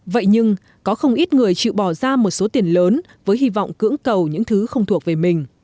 vậy nhưng có không ít người chịu bỏ ra một số tiền lớn với hy vọng cưỡng cầu những thứ không thuộc về mình